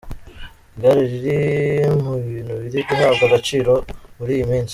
Igare riri mu bintu biri guhabwa agaciro muri iyi minsi.